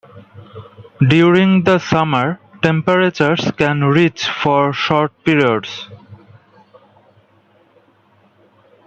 During the summer, temperatures can reach for short periods.